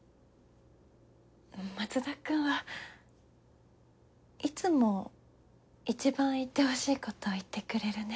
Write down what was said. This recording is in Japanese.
松田くんはいつもいちばん言ってほしいこと言ってくれるね。